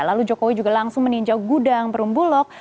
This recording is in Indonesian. lalu jokowi juga langsung meninjau gudang perumbulok